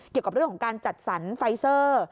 เกี่ยวกับเรื่องของการจัดสรรไฟเซอร์